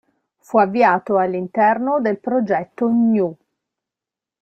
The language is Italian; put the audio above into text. Fu avviato all'interno del progetto GNU.